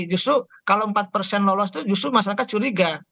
justru kalau empat persen lolos itu justru masyarakat curiga